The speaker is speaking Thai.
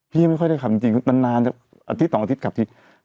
พี่ไม่ค่อยได้ขับจริงจริงนานนานอาทิตย์สองอาทิตย์ขับอาทิตย์